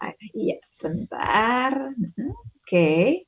iya sebentar oke